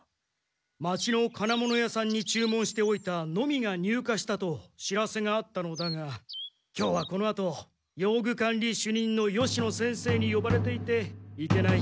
町の金物屋さんに注文しておいたノミが入荷したと知らせがあったのだが今日はこのあと用具管理主任の吉野先生に呼ばれていて行けない。